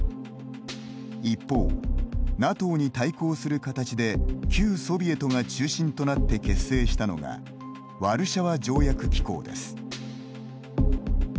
一方、ＮＡＴＯに対抗する形で旧ソビエトが中心となって結成したのがワルシャワ条約機構です。